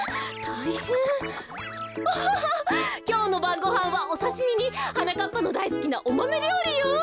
オホホきょうのばんごはんはおさしみにはなかっぱのだいすきなおマメりょうりよ。